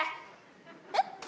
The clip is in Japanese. えっ？